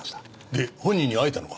で本人に会えたのか？